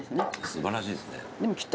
素晴らしいですね。